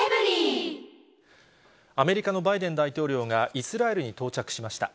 アメリカのバイデン大統領が、イスラエルに到着しました。